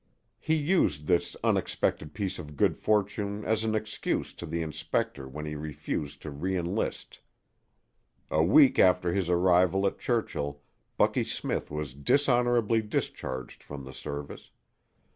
He used this unexpected piece of good fortune as an excuse to the inspector when he refused to re enlist. A week after his arrival at Churchill Bucky Smith was dishonorably discharged from the Service.